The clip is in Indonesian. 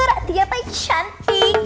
ratu ya pak cantik